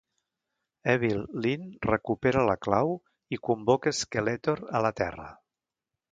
Evil-Lyn recupera la clau i convoca Skeletor a la Terra.